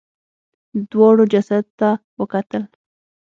دواړو جسد ته وکتل.